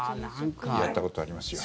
やったことありますよ。